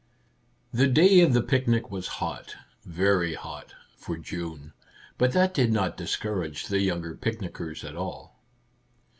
The day of the picnic was hot, very hot, for June, but that did not discourage the younger picnickers at all.